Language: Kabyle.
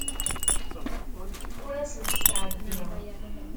Ur asent-ttɛeddiɣ.